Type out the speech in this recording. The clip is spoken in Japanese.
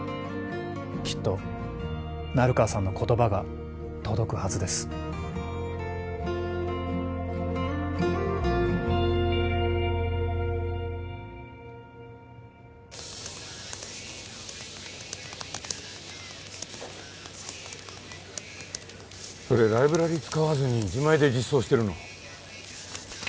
きっと成川さんの言葉が届くはずです・それライブラリ使わずに自前で実装してるの？